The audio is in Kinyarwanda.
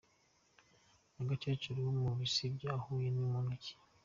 Nyagakecuru wo mu bisi bya Huye ni muntu ki?.